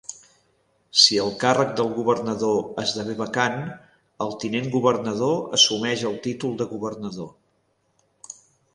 Si el càrrec del governador esdevé vacant, el tinent governador assumeix el títol de governador.